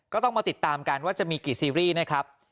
ก็ต้องมาติดตามกันว่าจะมีกี่ซีรีส์นะครับ